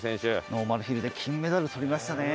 ノーマルヒルで金メダルとりましたね。